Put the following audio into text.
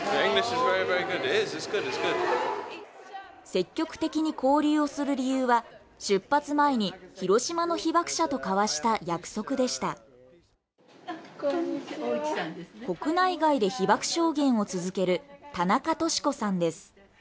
積極的に交流をする理由は出発前に広島の被爆者と交わした約束でした国内外で被爆証言を続ける田中稔子さんです